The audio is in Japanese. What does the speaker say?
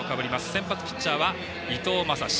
先発ピッチャーは伊藤将司。